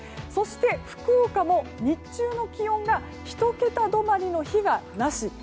そして、福岡も日中の気温が１桁止まりの日がなし。